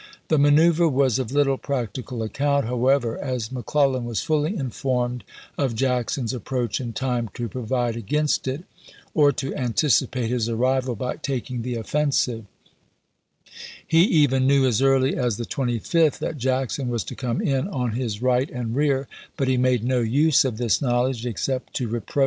The manoeuvre was of little practical account, however, as McClellan was fully informed of Jackson's approach in time to provide against it, or to anticipate his arrival by taking the offensive. Ibid., 11.254. He even knew as early as the 25th that Jackson was to come in on his right and rear, but ho made no use of this knowledge except to reproach the Johnston, '• Xarra tive," pp. 145, 140.